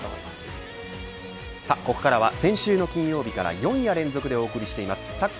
ここからは先週の金曜日から４夜連続でお送りしています